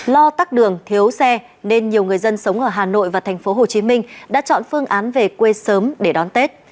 lo tắt đường thiếu xe nên nhiều người dân sống ở hà nội và tp hcm đã chọn phương án về quê sớm để đón tết